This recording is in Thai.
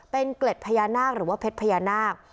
เป็นเกล็ดพญานาคหรือว่าเพชรพญานาค